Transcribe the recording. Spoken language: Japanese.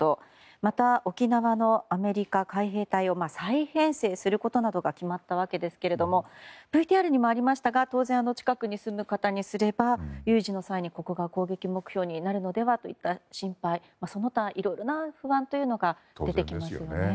また、沖縄のアメリカ海兵隊を再編成することなどが決まったわけですがＶＴＲにもありましたが当然、近くに住む方にすれば有事の際にここが攻撃目標になるのではといった心配その他いろいろな不安というのが出てきますね。